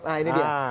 nah ini dia